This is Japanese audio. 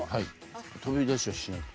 飛び出しはしない。